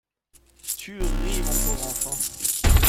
Tu ris, mon pauvre enfant!